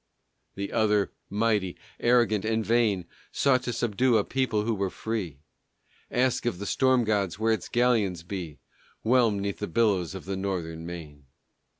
The other, mighty, arrogant, and vain, Sought to subdue a people who were free. Ask of the storm gods where its galleons be, Whelmed 'neath the billows of the northern main!